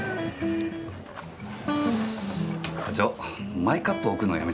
課長マイカップ置くのやめてくださいね。